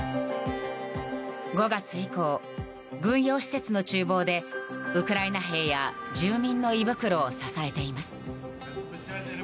５月以降、軍用施設の厨房でウクライナ兵や住民の胃袋を支えています。